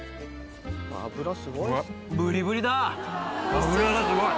脂すごい。